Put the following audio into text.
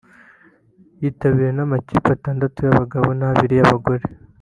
yitabiriwe n’amakipe atandatu y’abagabo n’abiri y’abagore